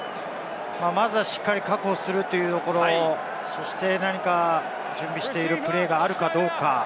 まずはしっかり確保するというところ、そして何か準備しているプレーがあるかどうか。